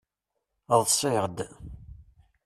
Ḍsiɣ-d.